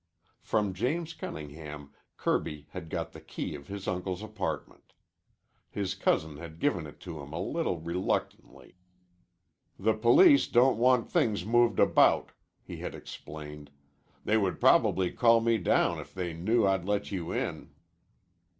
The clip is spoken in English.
From James Cunningham Kirby had got the key of his uncle's apartment. His cousin had given it to him a little reluctantly. "The police don't want things moved about," he had explained. "They would probably call me down if they knew I'd let you in."